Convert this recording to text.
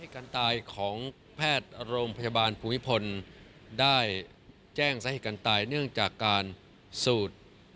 การตายของแพทย์โรงพยาบาลภูมิพลได้แจ้งสาเหตุการณ์ตายเนื่องจากการสูตร